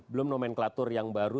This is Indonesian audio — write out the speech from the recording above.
belum nomenklatur yang baru